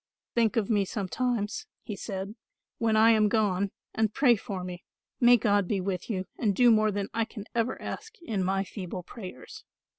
"Think of me sometimes," he said, "when I am gone, and pray for me. May God be with you and do more than I can ever ask in my feeble prayers."